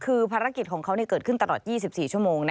คือภารกิจของเขาเกิดขึ้นตลอด๒๔ชั่วโมง